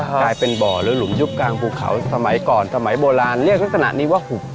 กลายเป็นบ่อหรือหลุมยุบกลางภูเขาสมัยก่อนสมัยโบราณเรียกลักษณะนี้ว่าหุบ